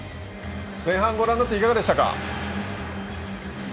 前半ご覧になっていかがでしたか？